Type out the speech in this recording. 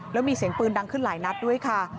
แล้วมีเสียงปืนดังขึ้นหลายนัดด้วยค่ะ